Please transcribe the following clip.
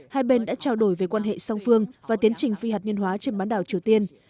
hai bên đã trao đổi về quan hệ song phương và tiến trình phi hạt nhân hóa trên bán đảo triều tiên